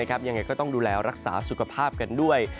ยังไงก็ต้องดูแลรักษาสุขภาพกันด้วย